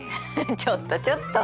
ちょっとちょっと。